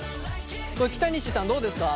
これ北西さんどうですか？